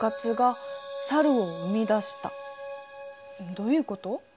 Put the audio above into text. どういうこと？